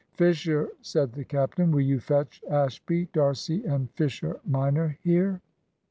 "Fisher," said the captain, "will you fetch Ashby, D'Arcy, and Fisher minor here?"